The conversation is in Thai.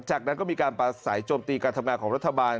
จากนั้นก็มีการประสัยโจมตีการทำงานของรัฐบาล